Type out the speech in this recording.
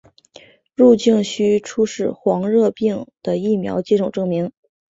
入境须出示黄热病的疫苗接种证明。